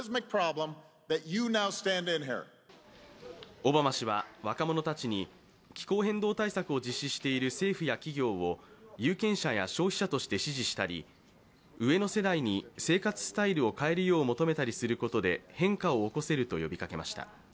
オバマ氏は若者たちに気候変動対策を実施している政府や企業を有権者や消費者として支持したり上の世代に生活スタイルを変える求めたりすることで変化を起こせると呼びかけました。